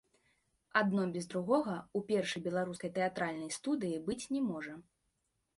Адно без другога ў першай беларускай тэатральнай студыі быць не можа.